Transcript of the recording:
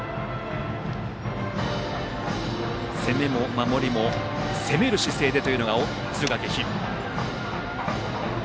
攻めも守りも攻める姿勢でというのが敦賀気比。